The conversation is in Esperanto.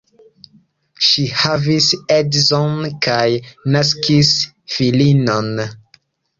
Ŝi havis edzon kaj naskis filinon.